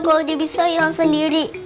nggak aja bisa yang sendiri